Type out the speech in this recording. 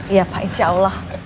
iya pa insya allah